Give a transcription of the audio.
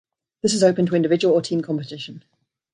This is open to individual or team competition.